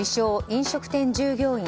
飲食店従業員